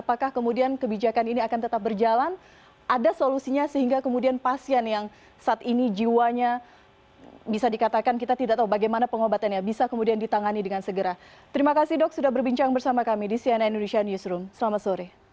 pdib menduga kebijakan tersebut diambil terlebih dahulu sebelum mendengar masukan dari dokter ahli yang menangani kasus